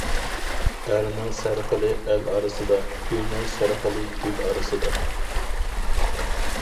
ئەرنىڭ سەرخىلى ئەل ئارىسىدا، گۈلنىڭ سەر خىلى گۈل ئارىسىدا.